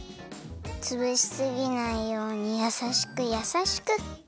つぶしすぎないようにやさしくやさしく。